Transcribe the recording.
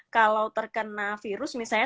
kalau terkena virus misalnya